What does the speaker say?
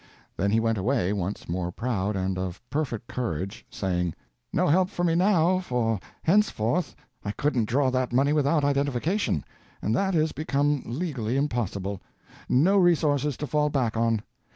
Then he went away, once more proud and of perfect courage, saying: "No help for me now, for henceforth I couldn't draw that money without identification, and that is become legally impossible. No resources to fall back on.